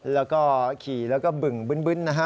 แล้วก็ขี่แล้วก็บึ่งบึ้นนะฮะ